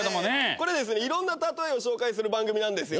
これですねいろんなたとえを紹介する番組なんですよ。